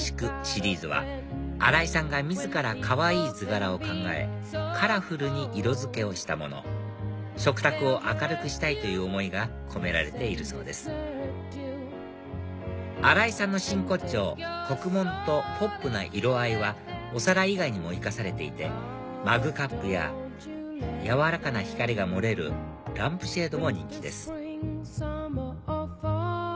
シリーズは荒井さんが自らかわいい図柄を考えカラフルに色付けをしたもの食卓を明るくしたいという思いが込められているそうです荒井さんの真骨頂刻紋とポップな色合いはお皿以外にも生かされていてマグカップややわらかな光が漏れるランプシェードも人気です